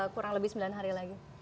kurang lebih sembilan hari lagi